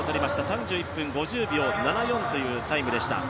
３１分５０秒７４というタイムでした。